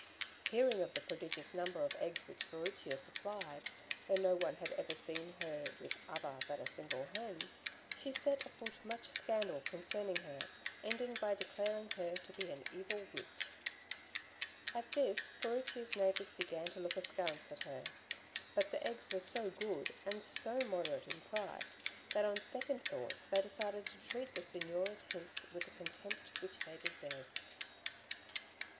Hearing of the prodigious number of eggs which Furicchia supplied, though no one had ever seen her with other than a single hen, she set afoot much scandal concerning her, ending by declaring her to be an evil Witch. At this, Furicchia's neighbours began to look askance at her; but the eggs were so good, and so moderate in price, that on second thoughts they decided to treat the Signora's hints with the contempt which they deserved.